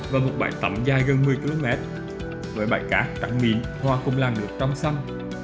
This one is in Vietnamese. và một bãi tắm dài gần một mươi km với bãi cá trắng mỉm hoa cùng làng được trong săn